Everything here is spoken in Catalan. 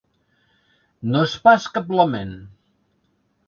No és pas cap lament.